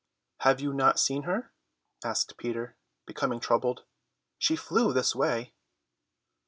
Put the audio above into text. "Have you not seen her?" asked Peter, becoming troubled. "She flew this way."